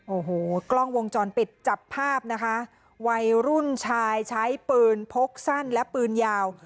โอ้โหกล้องวงจรปิดจับภาพนะคะวัยรุ่นชายใช้ปืนพกสั้นและปืนยาว